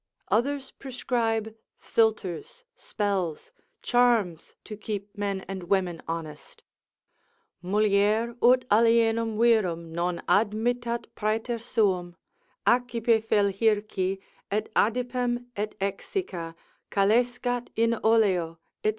Others prescribe filters, spells, charms to keep men and women honest. Mulier ut alienum virum non admittat praeter suum: Accipe fel hirci, et adipem, et exsicca, calescat in oleo, &c.